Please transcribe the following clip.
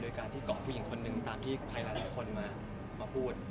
โดยการที่เกาะผู้หญิงคนหนึ่งตามที่ใครหลายคนมาพูด